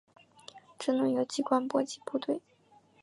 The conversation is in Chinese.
争论由机关波及部队。